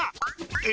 え？